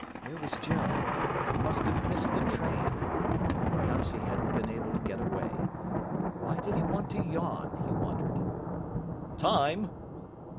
Where was Joe? He must have missed the train. Or perhaps he hadn't been able to get away. Why did he want to yawn, he wondered. "Time!"